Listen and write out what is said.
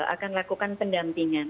akan lakukan pendampingan